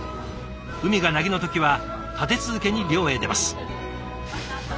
海が凪の時は立て続けに漁へ出ます。